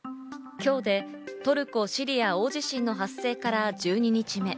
今日でトルコ・シリア大地震の発生から１２日目。